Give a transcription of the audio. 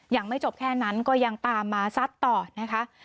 ยังไม่จบแค่นั้นก็ยังตามมาซัดต่อนะคะ